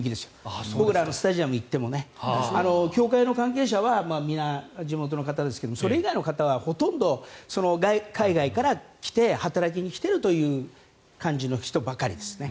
僕ら、スタジアムに行っても協会の関係者はみんな地元の方ですがそれ以外の方はほとんど海外から来て働きに来ているという感じの人ばかりです。